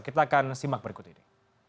kita akan simak berikut ini